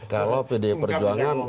kalau pdip perjuangan